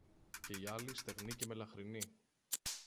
και η άλλη, στεγνή και μελαχρινή